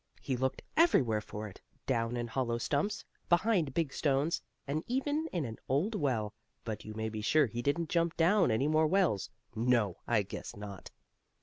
He looked everywhere for it; down in hollow stumps, behind big stones, and even in an old well, but you may be sure he didn't jump down any more wells. No, I guess not!